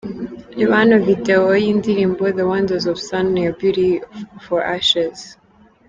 Reba hano Video y'indirimbo The Wonders of Son ya Beauty for Ashes.